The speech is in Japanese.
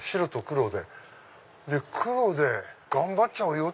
黒で頑張っちゃうよ！